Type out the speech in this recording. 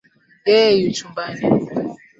Yeye yu chumbani.